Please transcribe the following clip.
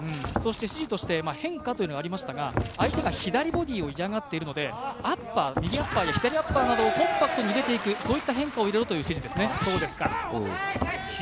指示として変化というのがありましたが相手が左ボディーを嫌がっているので、右アッパーや左アッパーなどをコンパクトに入れていく、そういった変化を入れていけという指示ですね。